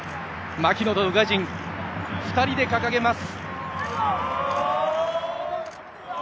槙野と宇賀神、２人で掲げます！